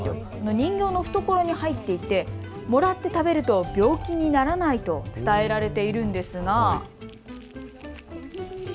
人形の懐に入っていってもらって食べると病気にならないと伝えられているんですが。